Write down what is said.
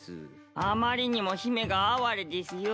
あまりにも姫が哀れですよ。